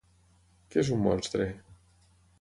Què és un monstre?